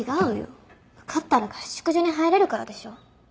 受かったら合宿所に入れるからでしょ。